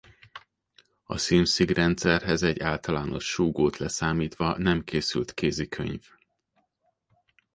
A SimSig rendszerhez egy általános súgót leszámítva nem készült kézikönyv.